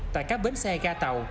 tại các bến xe ga tàu